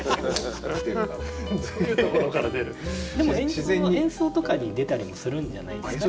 でも演奏とかに出たりもするんじゃないですか。